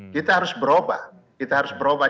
kita harus berubah kita harus berubah